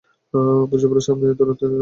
যুবরাজ, আপনি এত রাত্রে এখানে যে?